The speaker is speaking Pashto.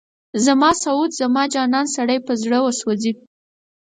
زما سعود، زما جانان، سړی په زړه وسوځي